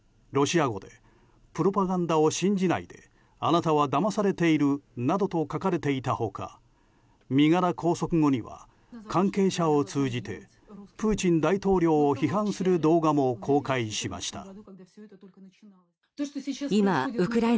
ロシア語でプロパガンダを信じないであなたはだまされているなどと書かれていた他身柄拘束後には関係者を通じてプーチン大統領を批判する動画も公開しました。